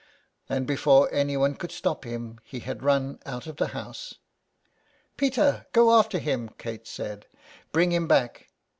And before anyone could stop him he had run out of the house. "Peter, go after him," Kate said; "bring him back.